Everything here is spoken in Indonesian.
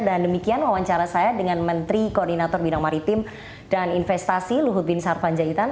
dan demikian wawancara saya dengan menteri koordinator bidang maritim dan investasi luhut bin sarfan jahitan